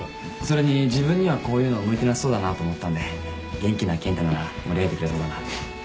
それに自分にはこういうの向いてなさそうだなと思ったんで元気な健太なら盛り上げてくれそうだなって。